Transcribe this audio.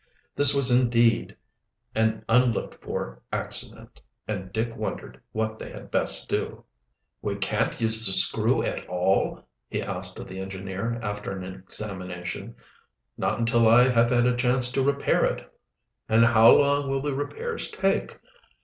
This was indeed an unlooked for accident, and Dick wondered what they had best do. "We can't use the screw at all?" he asked of the engineer, after an examination. "Not until I have had a chance to repair it." "And how long will the repairs take?"